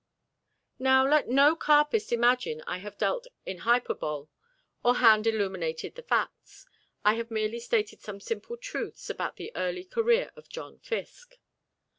Now, let no carpist imagine I have dealt in hyperbole, or hand illumined the facts: I have merely stated some simple truths about the early career of John Fiske.